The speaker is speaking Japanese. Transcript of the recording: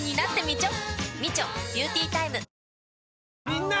みんな！